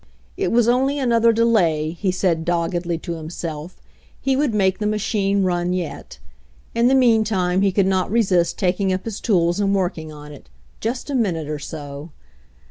It was only another delay, he said doggedly to himself ; he would make the machine run yet. In the meantime he could not resist taking up his tools and working on it, just a minute or so.